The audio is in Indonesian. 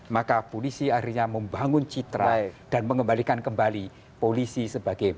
maka polisi akhirnya membangun citra dan mengembalikan kembali polisi sebagai